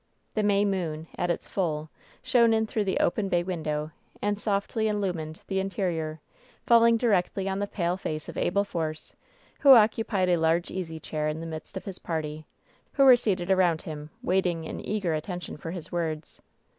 The May moon, at its full, shone in through the open bay window, and softly illumined the interior, falling directly on the pale face of Abel Force, who occupied a large easy chair in the midst of his party, who were seated around him, waiting in eager at tention for his words.